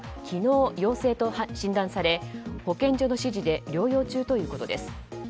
昨日、陽性と診断され保健所の指示で療養中ということです。